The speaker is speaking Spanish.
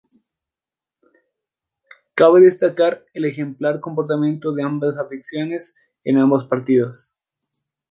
Cabe destacar el ejemplar comportamiento de ambas aficiones en ambos partidos.